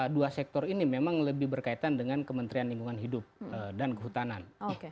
dua sektor ini memang lebih berkaitan dengan kementerian lingkungan hidup dan kehutanan